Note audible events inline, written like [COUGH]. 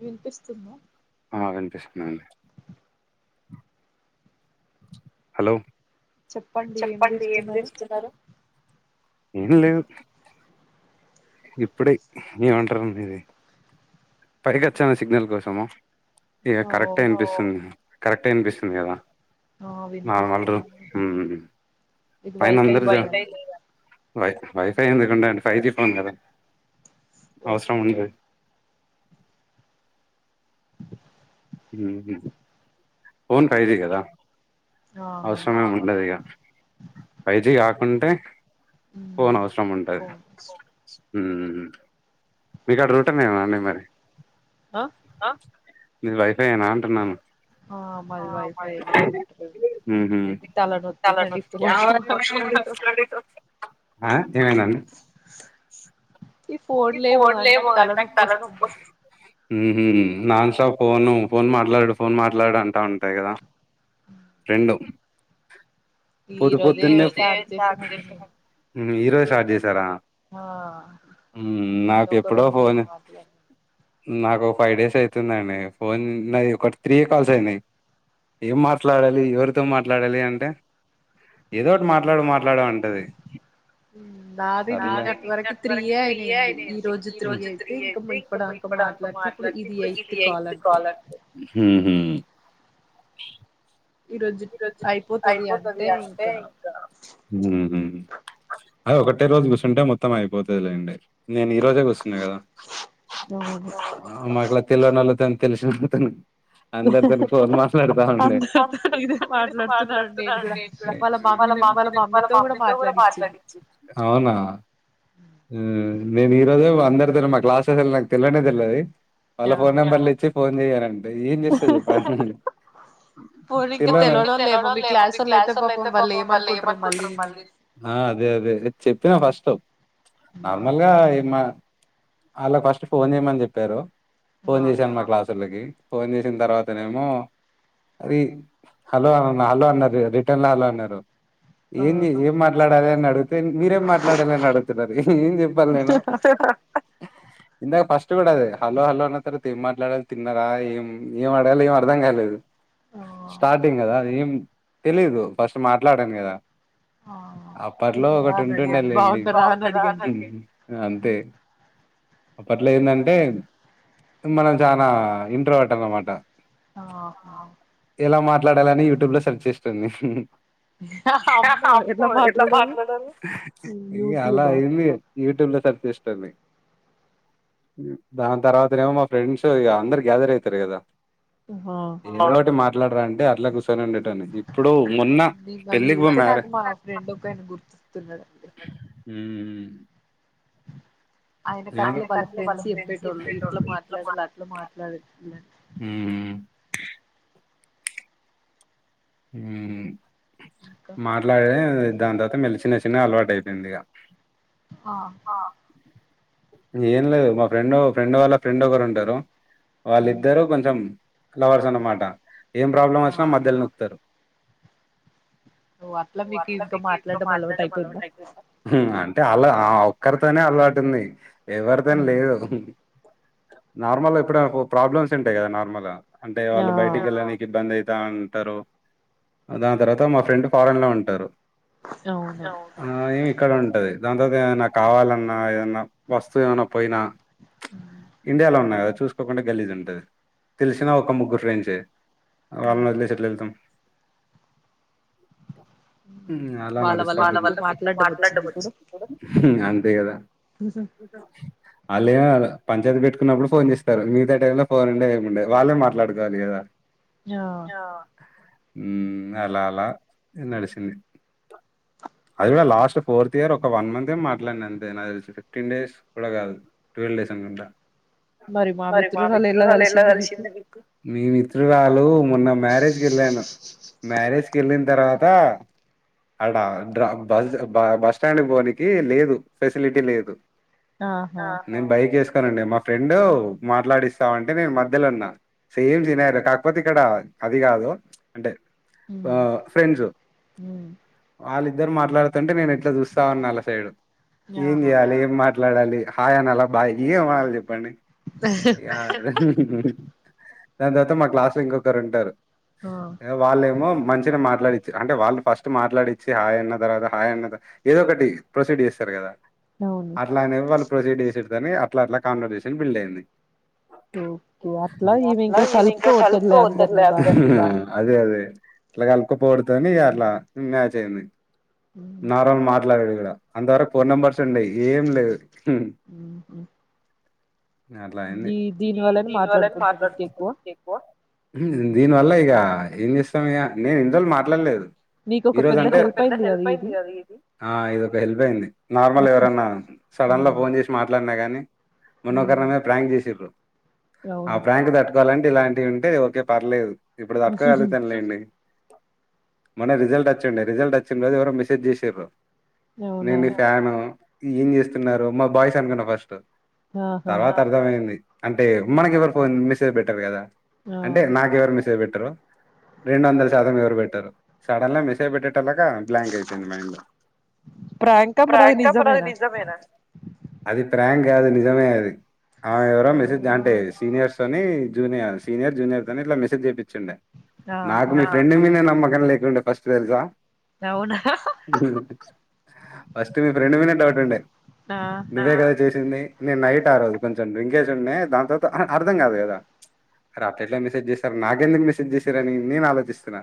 వినిపిస్తున్నా అ కనిపిస్తుందండి హలో చెప్పండి ఏం చేస్తున్నారు ఏం లేదు ఇప్పుడే ఏమంటారు ఇది పైకి వచ్చాను సిగ్నల్ కోసము ఇ కరెక్ట అనిపిస్తుంది కరెక్టే అనిపిస్తుంది కదా ఆ వినిపిస్తున్నాడి పైన అందరు జ భై వైఫై ఎందుకు ఉంటండి ఫైవ్ జి పోదా అవసరం ఉండ ఊహు ఫోన్ కైది కదా అవసరమే ఉండదు ఇగ ఫైవ్ జీ ఉంటే పోన్ అవసరం ఉంటది ఊ మీకు ఆడ రూటనే నా అండి మరి ఆ నీది వైఫైయేనా అంటున్నాను ఊహు ఈ ఫోన్ లేమో గాని నాకు తలనొప్పి వస్తుందండి ఊ నాన్ స్టాప్ ఫోను ఫోన్ మాట్లాడు ఫోన్ మాట్లాడు అంటా ఉంటాయి కదా రెండు కర్ పొద్దుపొద్దున్నె ఉ ఈ రోజే స్టార్ట్ చేశారా అ నాకు ఎప్పుడో ఫోనె నాకు ఫైవ్ డేస్ అయితుందండి ఫోర్ వుండాయ్ ఒక త్రీ కాల్స్ అయినాయి ఏం మాట్లాడాలి ఎవరితో మాట్లాడాలి అంటే ఏదో ఒకటి మాట్లాడు మాట్లాడు అంటది నావి నిన్నటి వరకి త్రీ యె త్రీయే అయినాయ్ అండి ఈ రోజు త్రీ అయితే ఇంక ఇప్పుడంక మాట్లాడితే ఇప్పుడు ఇది ఎయిత్ కాల్ అండి ఉ ఊహుహు అదే ఒకటే రోజు కూసుంటే మొత్తం అయిపోతది లేండి నేను ఈ రోజే కూసున్నా కదా మాకలా తెలవ నోల్లుఅయితే [UNINTELLIGIBLE] అందరితోని ఫోన్ మాట్లాడుతా ఉండే అవునా ఉ మేము ఈరోజే అంద మా క్లాసస్ నాకు తెలిలేనేదల్ అది [UNINTELLIGIBLE] వాళ్ళ ఫోన్ నెంబర్లు ఇచ్చి ఫోన్ చేయాలండి ఏం చేస్తా చెప్పు ఆ అదే అదే చెప్పినా ఫస్ట్ లో నార్మల్ గా ఏమా అలా ఫస్ట్ ఫోన్ చేయమని చెప్పారు ఫోన్ చేశాను మా క్లాస్ ఒళ్ళకి ఫోన్ చేసిన తర్వాతనేమో అది హలో అ హలో అన్నారు రిటర్న్ లో హలో అన్నారు ఏంది ఏం మాట్లాడాలే డు మీరేం మాట్లాడాలని అడుగుతున్నారు ఏం చెప్పాలి నేను ఇందాక ఫస్ట్ కూడా అదే హలో హలో అన్న తర్వాత ఏం మాట్లాడాలి తిన్నరా ఏం ఏం ఆడగాలి ఏం అర్ధం కాలేదు ఓ స్టార్టింగ్ కదా ఏం తెలీదు ఫస్ట్ మాట్లాడాను కదా అప్పట్లో ఒకటి ఉంటుండే లేండి అంతే అప్పట్లో ఏంటంటే మనం చానా ఇంటోవర్ట్ అన్నమాట ఆహా ఎలా మాట్లాడాలని యూట్యూబ్ లో సెర్చ్ చేస్తుంది అ ఎట్లా మాట్లాడారు అలా అయింది యూట్యూబ్ లో సెర్చ్ చేస్తుంది దాని తర్వాత ఏమో మా ఫ్రెండ్స్ అందరు గ్యాదర్ అవుతారు కదా ఎందోటి మా మాట్లాడారా అంటే అట్లే కూసోని ఉండేటోన్ని ఇప్పుడు మొన్న పెళ్ళికి పో మారే జే ఉమ్ ఆయనకు అట్లే వాళ్ళ ఫ్రెండ్స్ చెప్పేటోళ్ళు ఇట్లా మాట్లాడాలి అట్లా మాట్లాడ ఉమ్ మాట్లాడే దాని తర్వాత మెలిచినచ్చ చిన్న అలవాటు అయిపోయింది ఇక ఆ ఏం లేదు మా ఫ్రెండ్ ఫ్రెండ్ వాళ్ళ ఫ్రెండ్ ఒకరు ఉంటారు వాళ్ళిద్దరూ కొంచెం లవర్స్ అనమాటా ఏం ప్రాబ్ల వచ్చినా మధ్యలో నూకుతారు ఉమ్ అంటే వాళ్ళ ఒక్కరితోనే అలవాటు ఉంది ఎవరితోనూ లేదు నార్మల్ ఇప్పుడ ప్రాబ్లమ్స్ ఉంటాయి కదా నార్మల్ అంటే వాళ్ళ బయటికి వెళ్లానికి ఇబ్బంది అయి దా అంటారు దాని తర్వాత మా ఫ్రెండ్ ఫారెన్ లో ఉంటారు ఆ ఇ మి ఇక్కడ ఉంటు ంటది దానితో ఏమనా కావాలన్నా ఏదన్నా వస్తువు ఏమైనా పోయినా ఇండియాలో ఉన్నా కదా చూసుకోకుండా గలీజ్ ఉంటది తెలిసినా ఒక ముగ్గురు ఫ్రెండ్స్ ఏ వాళ్ళనొదిలేసీ ఎట్ల ఎల్తామ్ [INAUDIBLE] ఉం అలా నడుస్తా అంతే కదా లేం కాదు పంచాయతీ పెట్టుకున్నప్పుడు ఫోన్ చేస్తారు మిగతా టైంలో ఫోన్ ఉండదు ఏముండే వాళ్ళే మాట్లాడుకోవాలి కదా ఆ ఉమ్ అలా అలా నడిచింది అది కూడా లాస్ట్ ఫోర్త్ ఇయర్ ఒక వన్ మంత్ ఏ మాట్లాడిన అంతే నాకు తెలిసి ఫిఫ్టీన్ డేస్ కూడా కాదు ట్వెల్వ్ డేస్ అనుకుంటా మరి మా మిత్రురాలు ఎలా కలిసింది మీకు మీ మిత్రురాలు మొన్న మ్యారేజ్ కెల్లాను మ్యారేజ్కి వెళ్ళిన తర్వాత అడ డ్ర బస్ బ బస్ స్టాండ్ పోనికి లేదు ఫెసిలిటీ లేదు నేన్ బైకే సు నండి మా ఫ్రెండ్ మాట్లాడిస్తావుంటే నేను మధ్యలో ఉన్నా సేమ్ సినారియో కాకపోతే ఇక్కడ అది కాదు అంటే ఆ ఫ్రెండ్స్ వాళ్ళి ఇద్దరు మాట్లాడుతుంట నేను ఇట్లా చూస్తా ఉన్న అల్లా సైడ్ ఏం చేయాలి ఏం మాట్లాడాలి హయ్ అనాలా బాయ్ ఏం అనాలి చెప్పండి [INAUDIBLE] దాని తర్వాత మా క్లాస్ లో ఇంకొకరు ఉంటారు ఆ ఏమో మంచిగా మాట్లాడిచ్చిన అంటే వాళ్ళు ఫస్ట్ మాట్లాడించి హాయ్ అన్న తర్వాత హాయ్ అన్న ఏదో ఒకటి ప్రొసీడ్ చేస్తారు కదా అట్లా అనేవ్వలు ప్రొసీడ్ చేసేడుతో ని అట్లా అట్లా కాన్వర్డేషన్ బిల్డ్ అయింది ఓ అట్లా ఇవింకా కల్పకపోతది లే అందరిని బానే ఆ అదే అదే ఇట్లా కలికపోడుతోని అట్లా మ్యాచ్ అయింది నారం మార్ అట్లా ఇవి కూడా అంతవరకు ఫోన్ నెంబర్స్ ఉండే ఏం లేదు ఉహు అట్లైంది [UNINTELLIGIBLE] దీని వల్ల ఈగ ఏం చేస్తాం ఇగ నేను ఇండ్రోలు మాట్లాడలేదు ఈ రోజు అంటే నీకు ఓకే పెద్ద హెల్ప్ అయింది కదా ఇది ఆ ఇది ఒక హెల్ప్ అయింది నార్మల్ ఎవరన్నా సడన్ ల ఫోన్ చేసి మాట్లాడినా గాని మన్నోకరు నామీద ప్రాంగ్ చేసిర్రు ఆ ప్ర్రాంకు తట్టుకోవాలం ఇలాంటియి ఉంటేదిఓకే పర్లేదు గలుగుతరులేండి మొన్న రిజల్ట్ అచ్చుండె రిజల్ట్ అచ్చింరోజు ఎవరో మెసేజ్ చేసిర్రు నిన్ ని ఫ్యాను ఏం చేస్తున్నారు మా బాయ్స్ అనుకున్నా ఫస్ట్ తర్వాత అర్థమయింది అంటే మనకి ఎవరు ఫోన్ మెసేజ్ పెట్టారు కదా అంటే నాకు ఎవరు మెసేజ్ పెట్ట టారు రెండు వందల శాతం ఎవరు పెట్టారు సడన్ల మెసేజ్ పెట్టే టాలక బ్లాంక్ అయిపోఇంది మైండ్ ఫ్రాంక్ కా మరి అది నిజమేనా అది ఫ్రాంక్ అగ అది నిజమే అది ఆ ఎవరో మెసేజ్ అంటే సీనియర్స్ అని జూనియ సీనిర్ జూనియర్ తోని ఇట్లా మెసేజ్ చేపిచ్చుండే నాకు మీ ఫ్రెండ్ మీన్నే నమ్మక కం లేకుండే ఫస్ట్ తెలుసా ఫస్ట్ మీ ఫ్రెండ్ మినే డౌట్ ఉంటే నువ్వే కదా చేసింది నేను నైట్ ఆ రోజు కొంచెం డ్రింక్ ఏసీ ఉండే దాని తర్వాత అర్థం కాదు కదా అరే అట్లెట్ల మెసేజ్ చేస్తారు నాకెందుకు మెసేజ్ చెస్ సిరని నేను ఆలోచిస్తున్నా